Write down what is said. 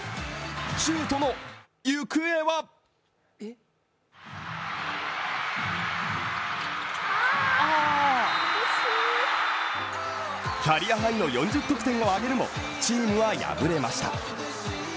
シュートの行方はキャリアハイの４０得点を挙げるもチームは敗れました。